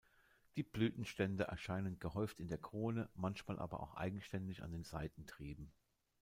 Die Blütenstände erscheinen gehäuft in der Krone, manchmal aber auch endständig an den Seitentrieben.